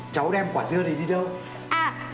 cháu đem quả dưa này đi đâu